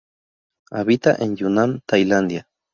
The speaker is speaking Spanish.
Habita en Yunnan, Tailandia.